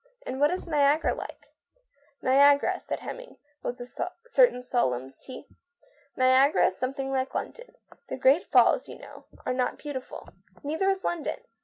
" And what is Niagara like ?" "Niagara," said Hemming, with a certain solemnity, " Niagara is something like Lon don. The great falls, you know, are not beautiful ; neither is London.